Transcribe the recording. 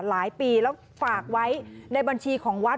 หลายปีแล้วฝากไว้ในบัญชีของวัด